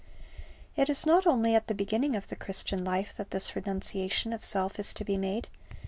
It is not only at the beginning of the Christian life that this renunciation of self is to be made.